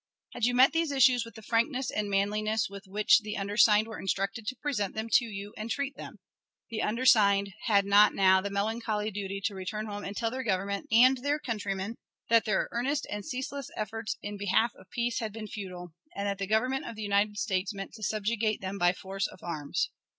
Had you met these issues with the frankness and manliness with which the undersigned were instructed to present them to you and treat them, the undersigned had not now the melancholy duty to return home and tell their Government and their countrymen that their earnest and ceaseless efforts in behalf of peace had been futile, and that the Government of the United States meant to subjugate them by force of arms.